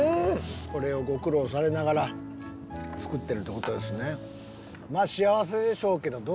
これをご苦労されながら作ってるってことですね。